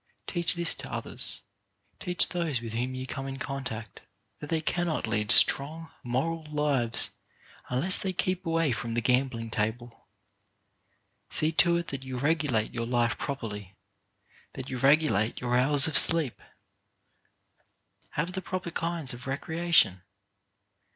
Teach this to others. Teach those with whom you come in contact that they cannot lead strong, moral lives unless they keep away from the gambling table. See to it that you regulate your life properly ; that you regulate your hours of sleep. ON INFLUENCING BY EXAMPLE 31 Have the proper kinds of recreation.